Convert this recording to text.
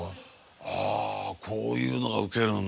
あこういうのがウケるんだ。